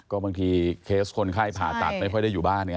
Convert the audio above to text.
ก็บางทีเคสคนไข้ผ่าตัดไม่ค่อยได้อยู่บ้านไง